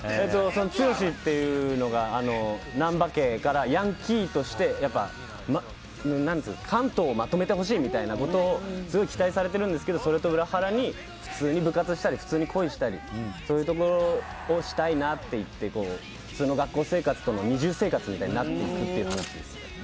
剛っていうのが難破家からヤンキーとして関東をまとめてほしいみたいなことを期待されてるんですけどそれと裏腹に普通に部活したり普通に恋をしたりそういうことをしたいなって普通の学校生活との二重生活みたいになっていくという話です。